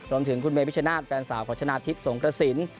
รวมถึงคุณเมภิชนาฏแฟนสาวขวัดชนะธิกสงกระสิน